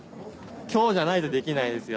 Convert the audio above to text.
今日じゃないとできないですよ